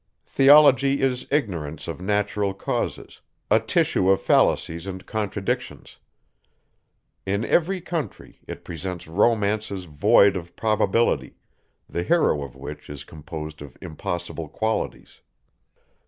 Theology is ignorance of natural causes; a tissue of fallacies and contradictions. In every country, it presents romances void of probability, the hero of which is composed of impossible qualities.